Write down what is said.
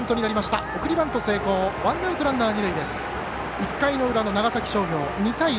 １回の裏の長崎商業、２対０。